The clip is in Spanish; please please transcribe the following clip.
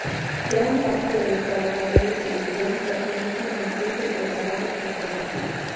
Gran parte de los trabajadores de Gullón pertenecen a empresas de trabajo temporal.